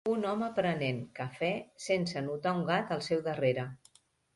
Un home prenent cafè sense notar un gat al seu darrere.